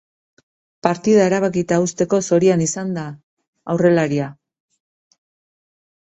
Partida erabakita uzteko zorian izan da aurrelaria.